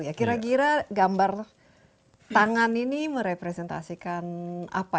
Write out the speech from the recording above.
ya kira kira gambar tangan ini merepresentasikan apa